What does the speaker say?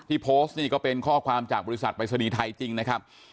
โพสต์นี่ก็เป็นข้อความจากบริษัทปริศนีย์ไทยจริงนะครับ